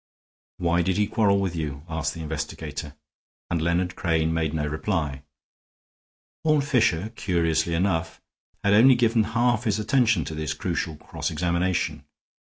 "Why did he quarrel with you?" asked the investigator; and Leonard Crane made no reply. Horne Fisher, curiously enough, had only given half his attention to this crucial cross examination.